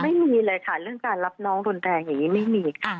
ไม่มีเลยค่ะเรื่องการรับน้องรุนแรงอย่างนี้ไม่มีค่ะ